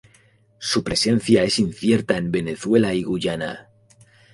Su presencia es incierta en Venezuela y Guyana.